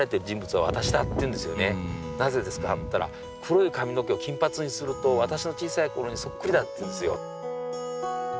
「なぜですか？」って言ったら黒い髪の毛を金髪にすると私の小さい頃にそっくりだって言うんですよ。